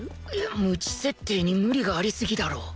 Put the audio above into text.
無知設定に無理がありすぎだろ